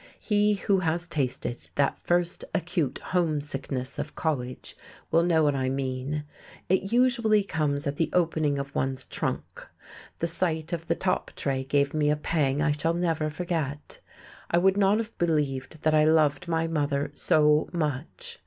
He who has tasted that first, acute homesickness of college will know what I mean. It usually comes at the opening of one's trunk. The sight of the top tray gave me a pang I shall never forget. I would not have believed that I loved my mother so much!